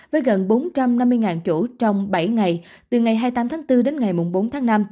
với gần bốn trăm năm mươi chỗ trong bảy ngày từ ngày hai mươi tám tháng bốn đến ngày bốn tháng năm